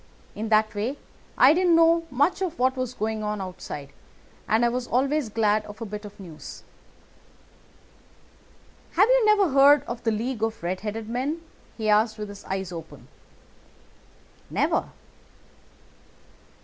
In that way I didn't know much of what was going on outside, and I was always glad of a bit of news. "'Have you never heard of the League of the Red headed Men?' he asked with his eyes open. "'Never.